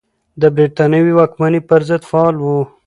د بریتانوي واکمنۍ پر ضد فعال و.